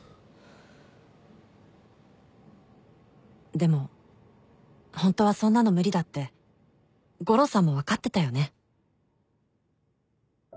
「でも本当はそんなの無理だって悟郎さんもわかってたよね？」